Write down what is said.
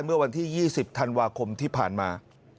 เมื่อวันที่๒๐ธันวาคมที่ผ่านมา